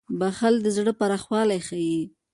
• بښل د زړه پراخوالی ښيي.